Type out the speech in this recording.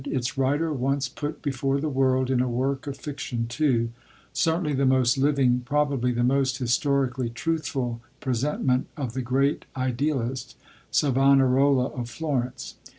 Its writer once put before the world (in a work of fiction too), certainly the most living, probably the most historically truthful, presentment of the great Idealist, Savonarola of Florence.